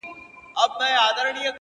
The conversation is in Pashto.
• چي د ریا پر منبرونو دي غوغا ووینم ,